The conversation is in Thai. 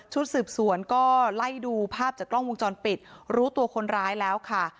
สืบสวนก็ไล่ดูภาพจากกล้องวงจรปิดรู้ตัวคนร้ายแล้วค่ะ